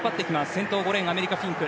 先頭５レーンアメリカフィンク。